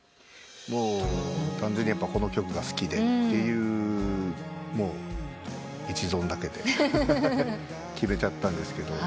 もう完全にこの曲が好きでっていう一存だけで決めちゃったんですけど。